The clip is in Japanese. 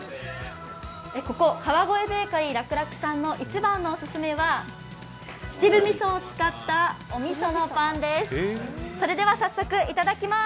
ここ川越ベーカリー楽楽さんの一番のオススメは秩父味噌を使ったおみそのパンです。